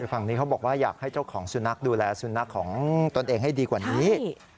ฝั่งนี้เขาบอกว่าอยากให้เจ้าของสุนัขดูแลสุนัขของตนเองให้ดีกว่านี้